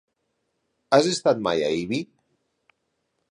Has estat mai a Ibi?